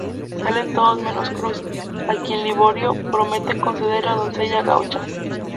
Salen todos menos Cruz, a quien Liborio promete conceder la doncella gaucha.